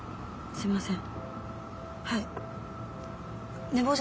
すいません。